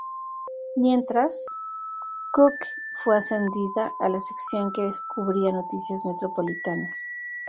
Mientras, Cooke fue ascendida a la sección que cubría noticias metropolitanas.